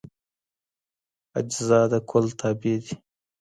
اجزا د کل تابع دي.